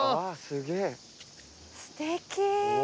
すてき。